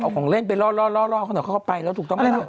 เอาของเล่นไปล่อรอรอรอรอเขาเขาไปแล้วถูกต้องอะไร